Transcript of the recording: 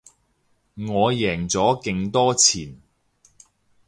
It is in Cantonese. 我贏咗勁多錢